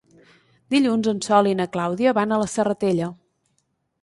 Dilluns en Sol i na Clàudia van a la Serratella.